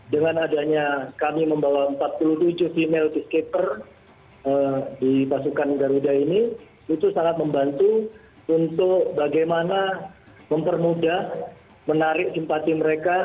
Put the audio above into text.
dengan adanya kami membawa empat puluh tujuh email peacekeeper di pasukan garuda ini itu sangat membantu untuk bagaimana mempermudah menarik simpati mereka